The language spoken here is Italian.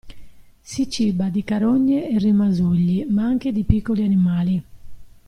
Si ciba di carogne e rimasugli, ma anche di piccoli animali.